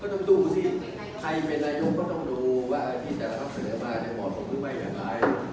ก็ต้องดูสิใครเป็นนายยกก็ต้องดูว่าที่แต่ละท่านเกิดเหลือมาในหมวดของเขาคือไม่อย่างไร